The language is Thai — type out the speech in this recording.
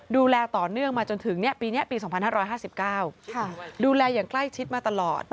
ดูแลต่อเนื่องมาจนถึงปีนี้ปี๒๕๕๙ดูแลอย่างใกล้ชิดมาตลอด